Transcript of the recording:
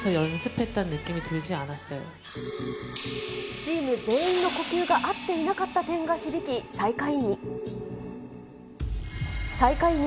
チーム全員の呼吸が合っていなかった点が響き、最下位に。